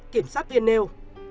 kiểm sát viên nêu